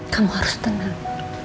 kamu harus tenang